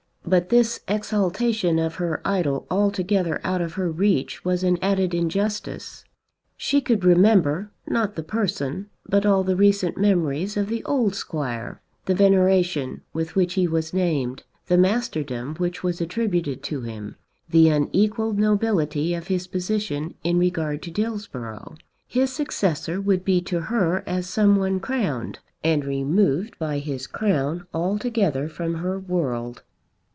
But this exaltation of her idol altogether out of her reach was an added injustice. She could remember, not the person, but all the recent memories of the old Squire, the veneration with which he was named, the masterdom which was attributed to him, the unequalled nobility of his position in regard to Dillsborough. His successor would be to her as some one crowned, and removed by his crown altogether from her world.